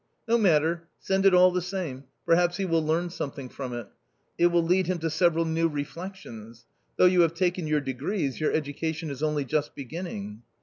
" No matter, send it all the same, perhaps he will learn something from it ; it will lead him to several new reflec tions ; though you have taken your degrees, your education is only just beginning."